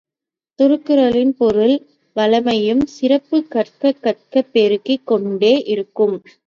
திருக்குறளின் பொருள் வளமையும் சிறப்பும் கற்கக் கற்கப் பெருகிக் கொண்டே இருக்கும்.